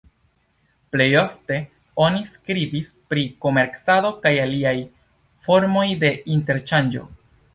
Plej ofte oni skribis pri komercado kaj aliaj formoj de interŝanĝo.